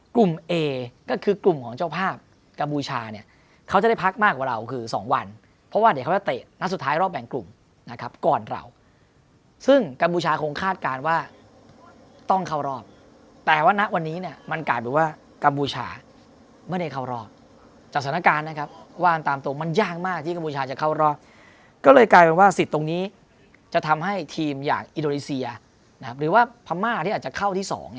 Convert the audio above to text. กลุ่มเอก็คือกลุ่มของเจ้าภาพกรรมบูชาเนี้ยเขาจะได้พักมากกว่าเราคือสองวันเพราะว่าเดี๋ยวเขาจะเตะนักสุดท้ายรอบแบ่งกลุ่มนะครับก่อนเราซึ่งกรรมบูชาคงคาดการณ์ว่าต้องเข้ารอบแต่ว่านักวันนี้เนี้ยมันกลายเป็นว่ากรรมบูชาไม่ได้เข้ารอบจากสถานการณ์นะครับว่าตามตรงมันยากมากที่กรรมบูชา